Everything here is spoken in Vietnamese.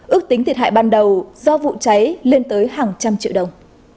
ước tính thiệt hại ban đầu do vụ cháy lên tới hàng trăm triệu đồng